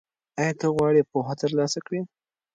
ایا ته غواړې پوهه ترلاسه کړې؟